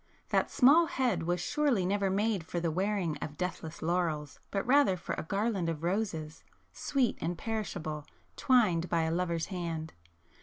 That small head was surely never made for the wearing of deathless laurels, but rather for a garland of roses, (sweet and perishable) twined by a lover's hand.